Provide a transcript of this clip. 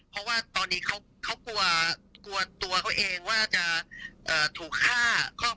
เพราะว่าตอนนี้เขากลัวตัวเขาเองว่าจะถูกฆ่า